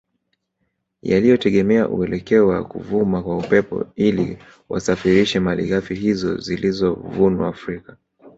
Yaliyotegemea uelekeo wa kuvuma kwa Upepo ili wasafirishe malighafi hizo zilizovunwa Afrika